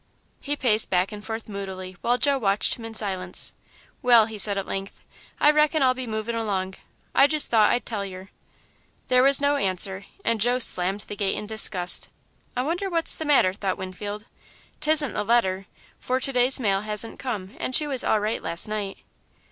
He paced back and forth moodily, while Joe watched him in silence. "Well," he said, at length, "I reckon I'll be movin' along. I just thought I'd tell yer." There was no answer, and Joe slammed the gate in disgust. "I wonder what's the matter," thought Winfield. "'T isn't a letter, for to day's mail hasn't come and she was all right last night.